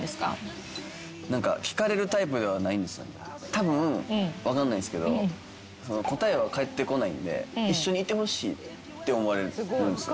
たぶん分かんないんすけど答えは返ってこないんで一緒にいてほしいって思われるんすよ。